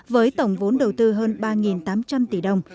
với tổng vốn đầu tư hơn ba